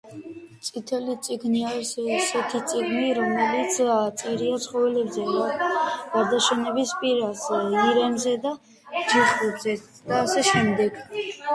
ამ დროს ბრჭყალები ირონიული ხასიათისაა.